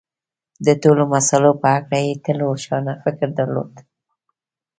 د ټولو مسألو په هکله یې تل روښانه فکر درلود